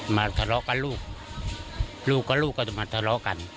มาทะเลาะกับลูกลูกกับลูกก็จะมาทะเลาะกัน